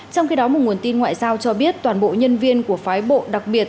trong khi đó một nguồn tin ngoại giao cho biết toàn bộ nhân viên của phái bộ đặc biệt